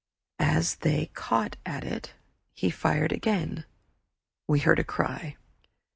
As they caught at it, he fired again we heard a cry